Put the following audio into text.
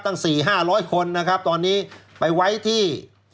ตั้ง๔๕๐๐คนนะครับตอนนี้ไปไว้ที่